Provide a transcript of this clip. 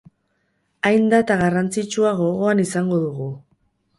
Hain data garrantzitsua gogoan izango dugu.